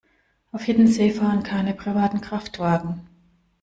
Auf Hiddensee fahren keine privaten Kraftwagen.